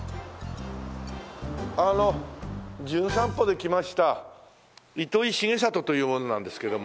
あの『じゅん散歩』で来ました糸井重里という者なんですけども。